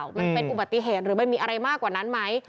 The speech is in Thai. มันเป็นอุบัติเหตุหรือมันมีอะไรมากกว่านั้นไหม